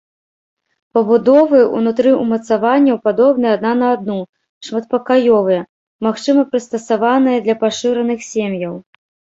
Пабудовы ўнутры ўмацаванняў падобныя адна на адну, шматпакаёвыя, магчыма прыстасаваныя для пашыраных сем'яў.